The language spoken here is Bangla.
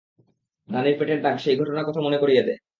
রানীর পেটের দাগ, সেই ঘটনার কথা মনে করিয়ে দেয়।